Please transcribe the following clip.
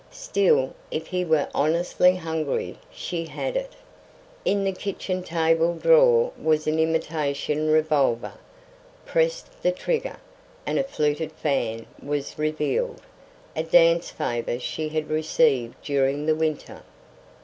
Still, if he were honestly hungry She had it! In the kitchen table drawer was an imitation revolver press the trigger, and a fluted fan was revealed a dance favour she had received during the winter.